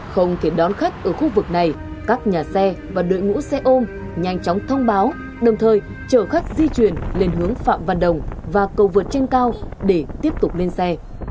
không thể đón khách ở khu vực này các nhà xe và đội ngũ xe ôm nhanh chóng thông báo đồng thời chở khách di chuyển lên hướng phạm văn đồng và cầu vượt trên cao để tiếp tục lên xe